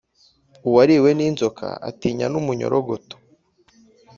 Uwariwe n’inzoka atinya n’umunyorogoto.